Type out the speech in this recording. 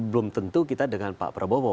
belum tentu kita dengan pak prabowo